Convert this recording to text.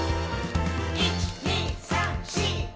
「１．２．３．４．５．」